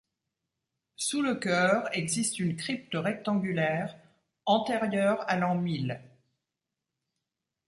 Sous le chœur existe une crypte rectangulaire antérieure à l'an mil.